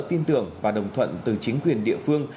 tin tưởng và đồng thuận từ chính quyền địa phương